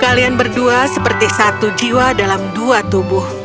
kalian berdua seperti satu jiwa dalam dua tubuh